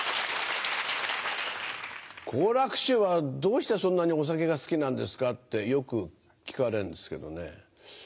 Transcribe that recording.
好楽師匠はどうしてそんなにお酒が好きなんですか？ってよく聞かれるんですけどね。